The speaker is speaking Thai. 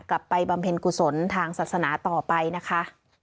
บำเพ็ญกุศลทางศาสนาต่อไปนะคะ